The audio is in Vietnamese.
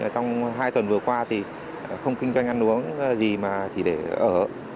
trong hai tuần vừa qua thì không kinh doanh ăn uống gì mà chỉ để ở